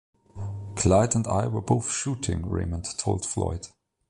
"Clyde and I were both shooting," Raymond told Floyd.